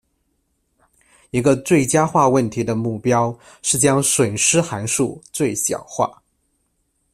一个最佳化问题的目标是将损失函数最小化。